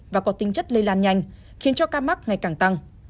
và có tinh chất lây lan nhanh khiến cho ca mắc ngày càng tăng